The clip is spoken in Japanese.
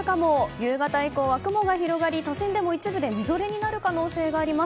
夕方以降は雲が広がり都心でも一部でみぞれになる可能性があります。